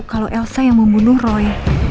kalau elsa yang membunuh roy